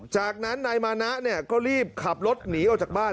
จากนั้นนายมานะก็รีบขับรถหนีออกจากบ้าน